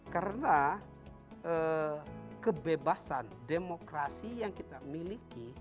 karena kebebasan demokrasi yang kita miliki